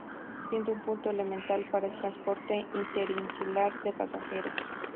Siendo un punto elemental para el transporte interinsular de pasajeros.